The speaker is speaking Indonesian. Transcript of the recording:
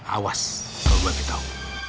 awas kalau robby tahu